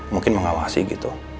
mungkin mengawasi gitu